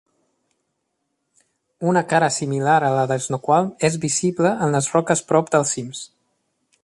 Una cara similar a la de Snoqualm és visible en les roques prop dels cims.